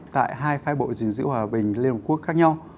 tại hai phái bộ dình dữ hòa bình liên hợp quốc khác nhau